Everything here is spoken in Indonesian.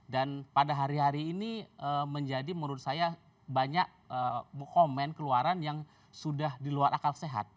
dan pada hari hari ini menjadi menurut saya banyak komen keluaran yang sudah diluar akal sehat